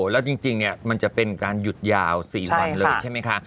แล้วจริงมันจะเป็นการหยุดยาว๔วันเลยใช่ไหมคะ